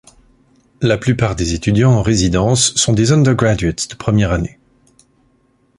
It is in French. La plupart des étudiants en résidences sont des undergraduates de première année.